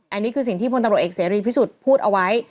อันนี้คือสิ่งที่พลตำรวจเอกเสรีพิสุทธิ์พูดเอาไว้